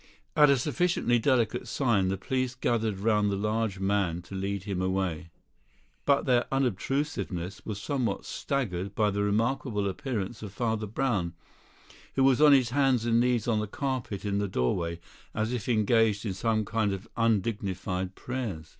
At a sufficiently delicate sign, the police gathered round the large man to lead him away; but their unobtrusiveness was somewhat staggered by the remarkable appearance of Father Brown, who was on his hands and knees on the carpet in the doorway, as if engaged in some kind of undignified prayers.